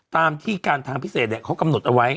ตามที่การทางพิเศษเขากำหนดเอาไว้